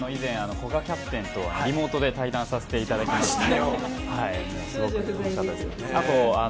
古賀キャプテンとリモートで対談させてもらいました。